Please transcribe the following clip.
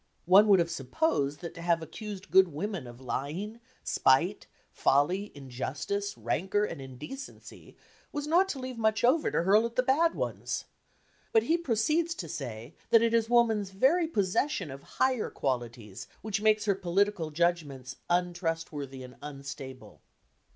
One would have supposed that to have accused good women of lying, spite, folly, injustice, rancour and indecency was not to leave much over to hurl at the bad ones. But he proceeds to say that it is woman's very possession of higher qualities which makes her political judgments "untrustworthy and unstable."